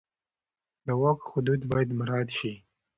د واک حدود باید مراعت شي.